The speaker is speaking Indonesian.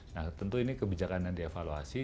nah tentu ini kebijakan yang dievaluasi